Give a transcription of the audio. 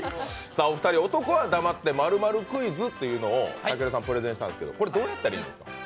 お二人、男は黙って○○クイズっていうのをたけるさんがプレゼンしたんですけどこれどうやったらいいんですか？